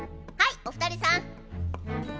はいお二人さん。